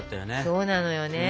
そうなのよね。